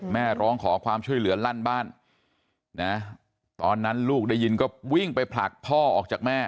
แม่ร้องขอความช่วยเหลือลั่นบ้านนะตอนนั้นลูกได้ยินก็วิ่งไปผลักพ่อออกจากแม่